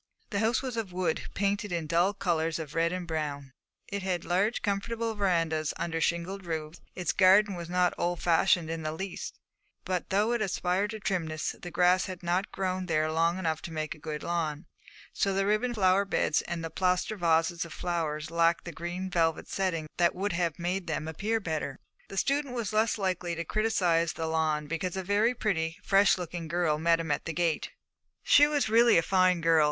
The house was of wood, painted in dull colours of red and brown; it had large comfortable verandahs under shingled roofs. Its garden was not old fashioned in the least; but though it aspired to trimness the grass had not grown there long enough to make a good lawn, so the ribbon flower beds and plaster vases of flowers lacked the green velvet setting that would have made them appear better. The student was the less likely to criticise the lawn because a very pretty, fresh looking girl met him at the gate. She was really a fine girl.